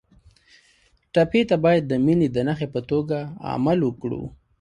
ټپي ته باید د مینې د نښې په توګه عمل وکړو.